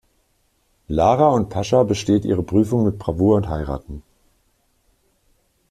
Lara und Pascha besteht ihre Prüfungen mit Bravour und heiraten.